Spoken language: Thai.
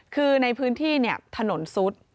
คือในพื้นที่เนี่ยถนนซุด